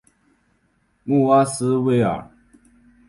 穆瓦斯维尔。